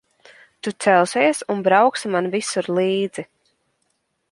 Tu celsies un brauksi man visur līdzi.